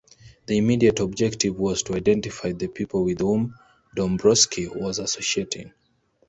The immediate objective was to identify the people with whom Dombrowski was associating.